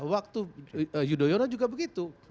waktu yudhoyono juga begitu